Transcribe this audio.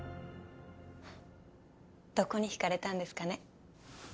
どこに引かれたんですかね。